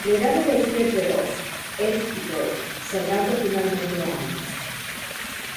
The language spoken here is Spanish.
Le dan a elegir entre dos: Eric y Troy, salvando finalmente a ambos.